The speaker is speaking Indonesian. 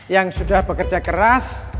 yang sudah bekerja keras